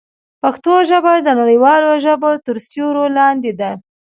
پښتو ژبه د نړیوالو ژبو تر سیوري لاندې ده.